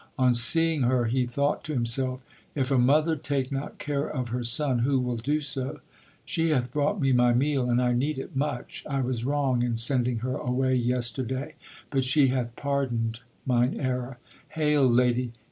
On seeing her he thought to himself : If a mother take not care of her son, who will do so ? She hath brought me my meal, and I need it much. I was wrong in sending her away yesterday, but she hath pardoned mine error. Hail, lady